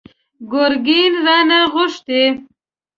ګرګين رانه غوښتي!